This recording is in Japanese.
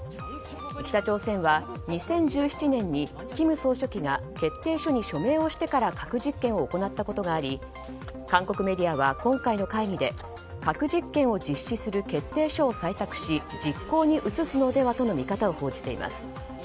北朝鮮は２０１７年に金総書記が決定書に署名をしてから核実験を行ったことがあり韓国メディアは今回の会議で核実験を実施する決定書を採択し実行に移すのではとの見方を報じています。